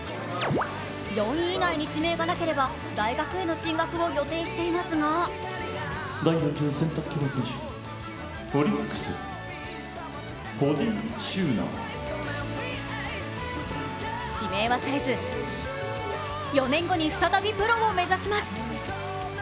４位以内に指名がなければ、大学への進学を予定していますが指名はされず４年後に再びプロを目指します。